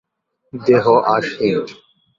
দেহ অাঁশহীন।